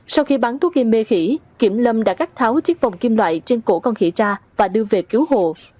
sau khi bắn thuốc gây mê khỉ kiểm lâm đã cắt tháo chiếc vòng kim loại trên cổ con khỉ ra và đưa về cứu hộ